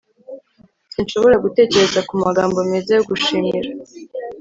sinshobora gutekereza kumagambo meza yo gushimira